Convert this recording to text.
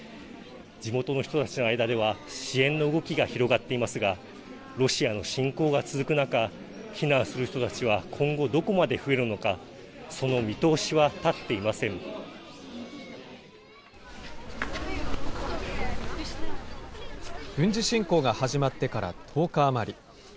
地元の人たちの間では支援の動きが広がっていますが、ロシアの侵攻が続く中、避難する人たちは今後、どこまで増えるのか、その見軍事侵攻が始まってから１０日余り。